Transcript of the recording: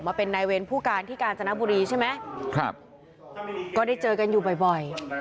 มาเป็นนายเวรผู้การที่กาญจนบุรีใช่ไหมครับก็ได้เจอกันอยู่บ่อย